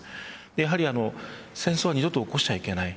やはり戦争は二度と起こしてはいけない。